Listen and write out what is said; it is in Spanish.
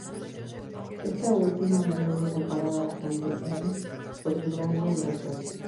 Esta última a menudo comparada con "The End" por su larga duración.